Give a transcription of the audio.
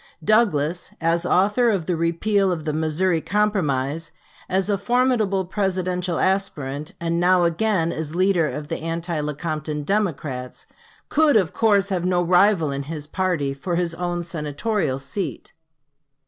Douglas, as author of the repeal of the Missouri Compromise, as a formidable Presidential aspirant, and now again as leader of the anti Lecompton Democrats, could, of course, have no rival in his party for his own Senatorial seat.